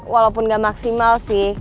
walaupun gak maksimal sih